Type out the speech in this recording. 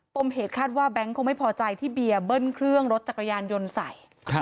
มเหตุคาดว่าแบงค์คงไม่พอใจที่เบียร์เบิ้ลเครื่องรถจักรยานยนต์ใส่